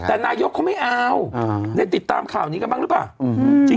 แต่นายกเขาไม่เอาได้ติดตามข่าวนี้กันบ้างหรือเปล่า